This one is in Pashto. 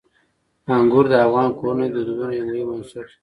انګور د افغان کورنیو د دودونو یو مهم عنصر دی.